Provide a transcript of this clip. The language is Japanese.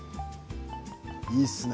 いいですね